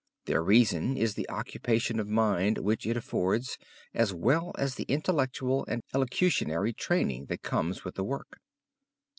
Their reason is the occupation of mind which it affords as well as the intellectual and elocutionary training that comes with the work.